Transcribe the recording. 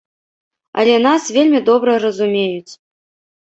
Але нас вельмі добра разумеюць.